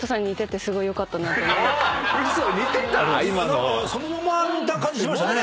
何かそのままの感じしましたね